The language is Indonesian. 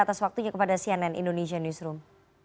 atas waktunya kepada cnn indonesia newsroom